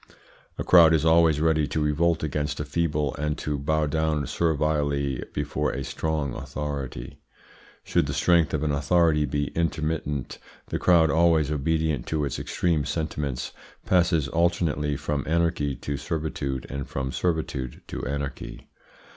A crowd is always ready to revolt against a feeble, and to bow down servilely before a strong authority. Should the strength of an authority be intermittent, the crowd, always obedient to its extreme sentiments, passes alternately from anarchy to servitude, and from servitude to anarchy.